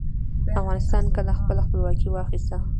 افغانستان کله خپله خپلواکي واخیسته؟